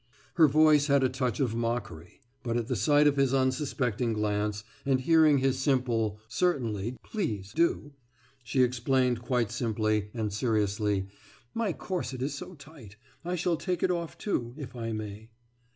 « Her voice had a touch of mockery. But at the sight of his unsuspecting glance, and hearing his simple.... »Certainly, please do« ... she explained quite simply and seriously: »My corset is so tight. I shall take it off, too ... if I may.